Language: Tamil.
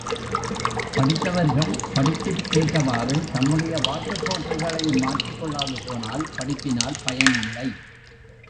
படித்தவர்கள் படிப்பிற்கேற்றவாறு தம்முடைய வாழ்க்கைப் போக்குகளை மாற்றிக் கொள்ளாது போனால் படிப்பினால் பயன் இல்லை.